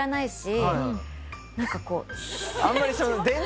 何かこう。